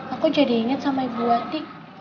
aku jadi ingat sama ibu wati